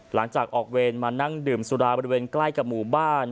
หลังจากออกเวรมานั่งดื่มสุราบริเวณใกล้กับหมู่บ้าน